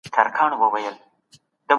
خپل مسووليت په ښه توګه ترسره کړئ.